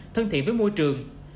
thân thiện với môi trường